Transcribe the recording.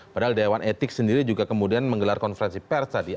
padahal dewan etik sendiri juga kemudian menggelar konferensi pers tadi